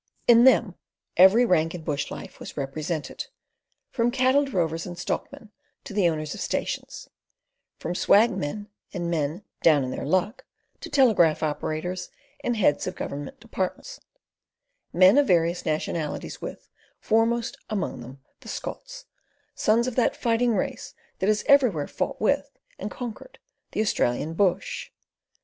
In them every rank in bush life was represented, from cattle drovers and stockmen to the owners of stations, from swag men and men "down in their luck" to telegraph operators and heads of government departments, men of various nationalities with, foremost among them, the Scots, sons of that fighting race that has everywhere fought with and conquered the Australian bush.